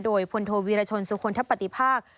โดยพลโทวีรชนสุคลทปฏิภาค